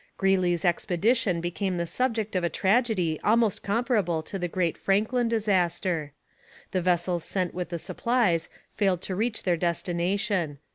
Greeley's expedition became the subject of a tragedy almost comparable to the great Franklin disaster. The vessels sent with supplies failed to reach their destination.